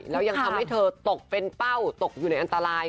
แล้วยังทำให้เธอตกเป็นเป้าตกอยู่ในอันตราย